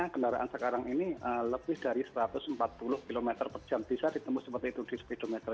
kendaraan sekarang ini lebih dari satu ratus empat puluh km per jam bisa ditempuh seperti itu di speedometer